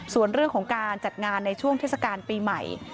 ส่วนเรื่องของการจัดงานในช่วงเทศกาลปีใหม่